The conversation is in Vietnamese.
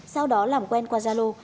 sau đó làm quen qua zalo